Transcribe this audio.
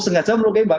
sengaja melukai mbak